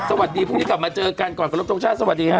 สวัสดีพรุ่งนี้กลับมาเจอกันก่อนกับรับทรงชาติสวัสดีฮะ